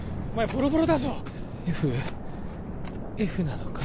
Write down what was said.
ボロボロだぞＦＦなのか？